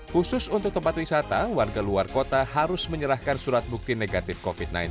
khusus untuk tempat wisata warga luar kota harus menyerahkan surat bukti negatif covid sembilan belas